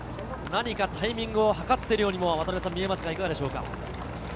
タイミングを図っているようにも見えますが、いかがですか？